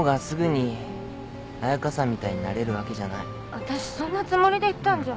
わたしそんなつもりで言ったんじゃ。